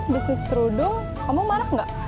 bisnis kerudung kamu marah nggak